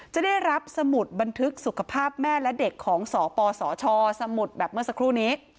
จะได้รับสมุดบันทึกสุขภาพแม่และเด็กของสปสชสมุดแบบเมื่อสักครู่นี้